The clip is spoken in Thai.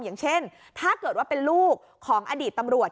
อย่างเช่นถ้าเกิดว่าเป็นลูกของอดีตตำรวจ